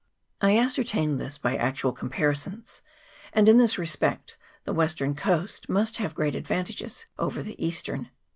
I ascertained this by actual comparisons, and in this respect the western coast must have great advantages over the eastern.